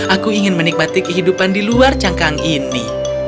aku ingin menikmati kehidupan di luar cangkang ini